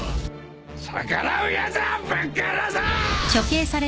逆らうやつはぶっ殺す！